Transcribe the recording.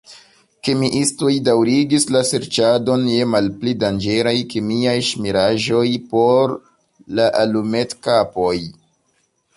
Kemiistoj daŭrigis la serĉadon je malpli danĝeraj kemiaj ŝmiraĵoj por la alumetkapoj.